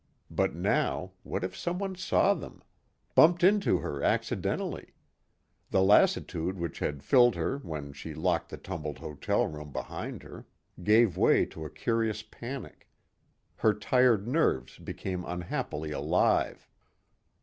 But now what if someone saw them? Bumped into her accidentally. The lassitude which had filled her when she locked the tumbled hotel room behind her, gave way to a curious panic. Her tired nerves became unhappily alive.